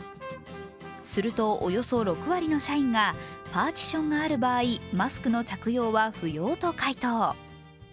すると、およそ６割の社員がパーティションがある場合マスクの着用は不要と回答。